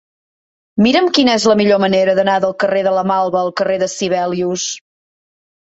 Mira'm quina és la millor manera d'anar del carrer de la Malva al carrer de Sibelius.